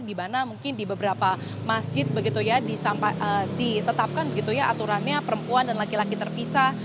dimana mungkin di beberapa masjid begitu ya ditetapkan begitu ya aturannya perempuan dan laki laki terpisah